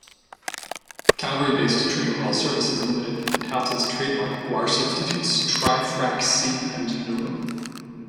Calgary-based Trican Well Services Limited touts its trademarked guar substitutes TriFrac-C and Novum.